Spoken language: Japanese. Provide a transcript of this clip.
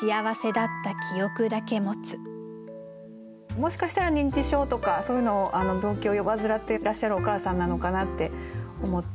もしかしたら認知症とかそういうのを病気を患ってらっしゃるお母さんなのかなって思って。